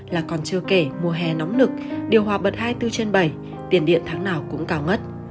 là còn chưa kể mùa hè nóng lực điều hòa bật hai mươi bốn trên bảy tiền điện tháng nào cũng cao mất